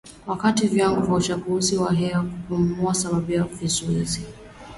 wakati viwango vya uchafuzi wa hewa vilipungua kwa sababu ya vizuizi